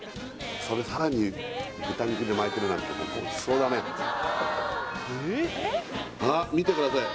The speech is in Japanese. それさらに豚肉で巻いてるなんてごちそうだねあ見てください